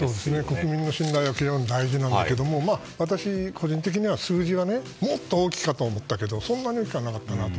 国民の信頼は非常に大事なんですけれども私個人的には数字はもっと大きいかと思ったけどそれだけしかなかったのかなと。